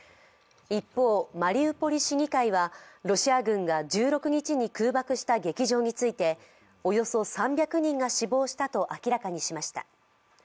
一方、マリウポリ市議会はロシア軍が１６日に空爆した劇場についておよそ３００人が死亡したと明らかにしました。